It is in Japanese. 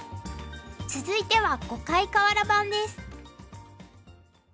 続いては「碁界かわら盤」です。